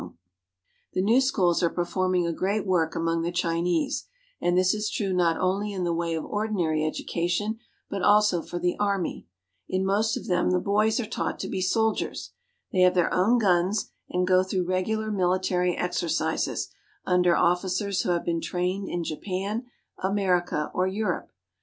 Chinese Girls — a Class in Arithmetic. The new schools are performing a great work among the Chinese, and this is true not only in the way of ordinary education, but also for the army. In most of them the boys are taught to be soldiers. They have their own guns and go through regular military exercises under officers who have been trained in Japan, America, or Europe.